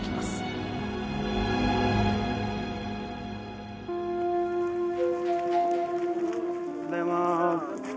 おはようございます。